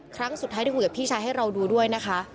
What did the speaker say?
ครั้งสุดท้ายได้คุยกับพี่ชายให้เราดูด้วยนะคะ